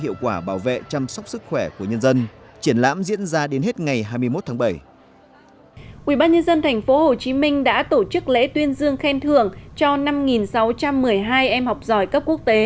ubnd tp hcm đã tổ chức lễ tuyên dương khen thưởng cho năm sáu trăm một mươi hai em học giỏi cấp quốc tế